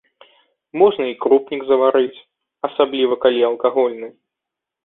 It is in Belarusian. Можна і крупнік зварыць, асабліва, калі алкагольны.